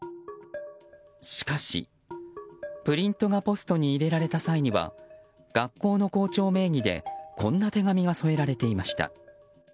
しかし、プリントがポストに入れられた際には学校の校長名義でこんな手紙が添えられていました。